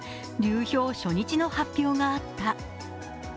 流氷初日の発表があった。